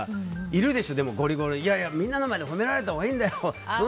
いるでしょ、ゴリゴリみんなの前で褒められたほうがいいだろう